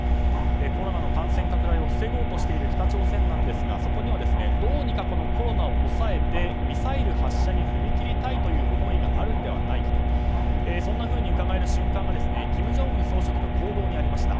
コロナの感染拡大を防ごうとしている北朝鮮なんですがそこにはどうにかコロナを抑えてミサイル発射に踏み切りたいという思いがあるのではないかとそんなふうにうかがえる瞬間が金正恩総書記の行動にありました。